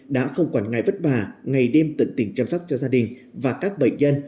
đã không quản ngại vất vả ngày đêm tận tình chăm sóc cho gia đình và các bệnh nhân